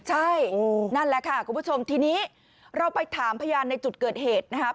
ใช่นั่นแหละค่ะคุณผู้ชมทีนี้เราไปถามพยานในจุดเกิดเหตุนะครับ